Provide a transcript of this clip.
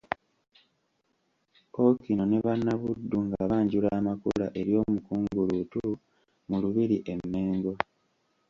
Ppookino ne Bannabuddu nga banjula amakula eri Omukungu Luutu mu Lubiri e Mengo.